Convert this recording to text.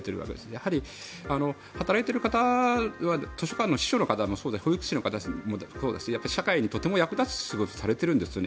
やはり働いている方は図書館の司書の方もそうだし保育士の方もそうだし社会にとても役立つ仕事をされてるんですよね。